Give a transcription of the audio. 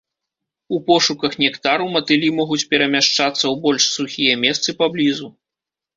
У пошуках нектару матылі могуць перамяшчацца ў больш сухія месцы паблізу.